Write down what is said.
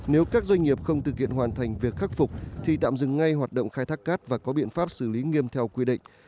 nếu các doanh nghiệp không thực hiện hoàn thành việc khắc phục thì tạm dừng ngay hoạt động khai thác cát và có biện pháp xử lý nghiêm theo quy định